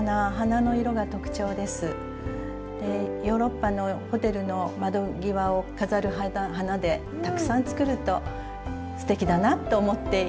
ヨーロッパのホテルの窓際を飾る花でたくさん作るとすてきだなっと思っていますが。